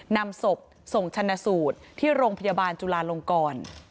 นำศพส่งชนะสูตรที่โรงพยาบาลจุลาลงกร